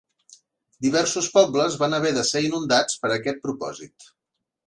Diversos pobles van haver de ser inundats per a aquest propòsit.